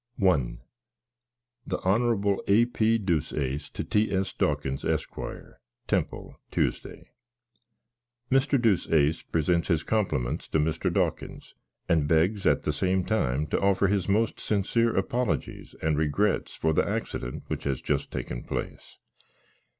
I The Hon. A. P. Deuceace to T. S. Dawkins, Esq. "Temple, Tuesday. "Mr. Deuceace presents his compliments to Mr. Dawkins, and begs at the same time to offer his most sincere apologies and regrets for the accident which has just taken place.